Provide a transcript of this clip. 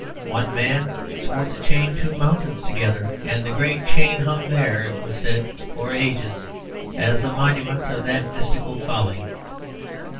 One man swore to chain two mountains together, and the great chain hung there, it was said, for ages as a monument of that mystical folly.